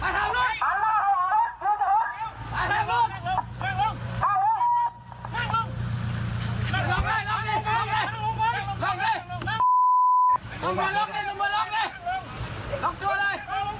ลุกตามหาหลอธิบาย